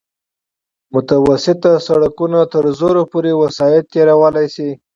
متوسط سرکونه تر زرو پورې وسایط تېرولی شي